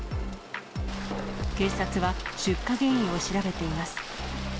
警察は出火原因を調べています。